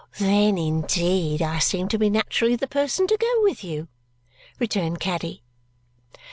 "Then, indeed, I seem to be naturally the person to go with you," returned Caddy.